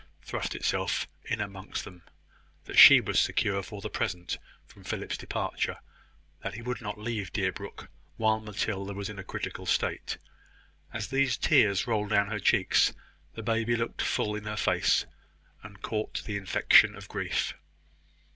thrust itself in among them that she was secure for the present from Philip's departure that he would not leave Deerbrook while Matilda was in a critical state. As these tears rolled down her cheeks, the baby looked full in her face, and caught the infection of grief.